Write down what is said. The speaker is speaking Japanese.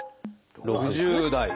６０代！